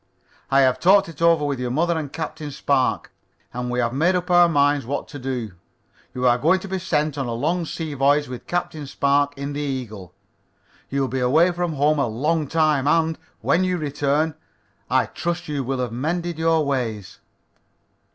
"I have talked it over with your mother and Captain Spark, and we have made up our minds what to do. You are going to be sent on a long sea voyage with Captain Spark, in the Eagle. You will be away from home a long time, and, when you return, I trust you will have mended your ways."